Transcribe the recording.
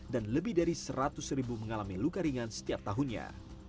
dan lebih dari seratus mengalami luka ringan setiap tahunnya